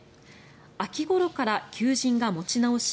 秋ごろから求人が持ち直し